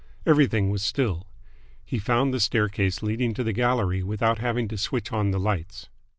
Everything was still. He found the staircase leading to the gallery without having to switch on the lights.